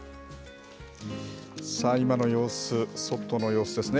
今の様子、外の様子ですね。